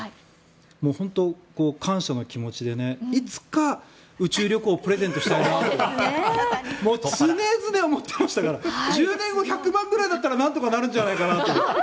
本当、感謝の気持ちでいつか宇宙旅行をプレゼントしたいなと常々思ってましたから１０年後１００万ぐらいだったらなんとかなるんじゃないかなと。